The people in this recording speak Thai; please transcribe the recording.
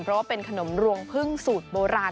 เพราะว่าเป็นขนมรวงพึ่งสูตรโบราณ